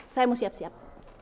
saya mau siap siap